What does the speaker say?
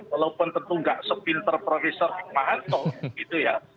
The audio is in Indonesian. walaupun tentu nggak sepinter prof hikmahanto gitu ya